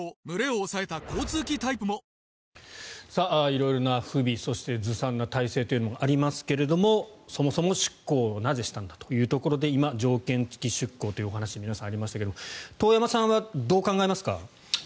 色々な不備そしてずさんな体制というのがありますがそもそも出港をなぜしたんだというところで今、条件付き出港という話がありましたけれど遠山さんはどう考えますか？